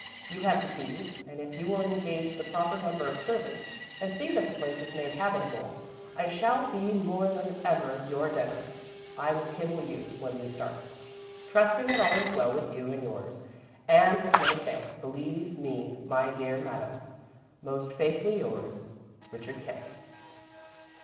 You have the keys and if you will engage the proper number of servants and see that the place is made habitable, I shall be more than ever your debtor. I will cable you when we start. "'Trusting that all is well with you and yours and with many thanks, believe me, my dear Madame, "'Most faithfully yours, "'RICHARD KENT.'"